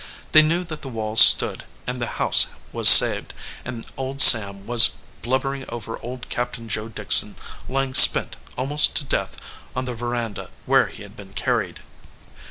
They knew that the wall stood and the house was saved, and old Sam was blubbering over old Captain Joe Dickson lying spent almost to death on the veranda where he had been carried.